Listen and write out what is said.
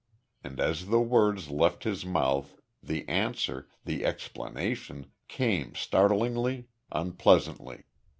And as the words left his mouth, the answer the explanation came, startlingly, unpleasantly.